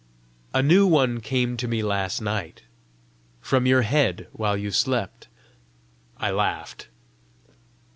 "A new one came to me last night from your head while you slept." I laughed.